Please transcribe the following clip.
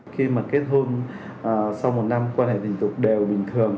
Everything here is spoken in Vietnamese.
khi mà kết hôn sau một năm quan hệ tình dục đều bình thường